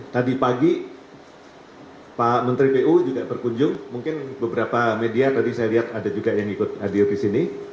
tadi pagi pak menteri pu juga berkunjung mungkin beberapa media tadi saya lihat ada juga yang ikut hadir di sini